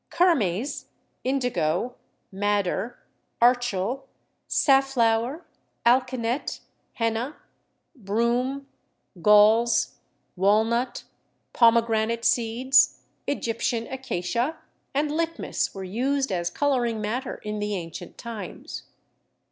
Kermes, indigo, madder, archil, saf flower, alkanet, henna, broom, galls, walnut, pomegranate seeds, Egyptian acacia and litmus were used as coloring matter in the ancient times.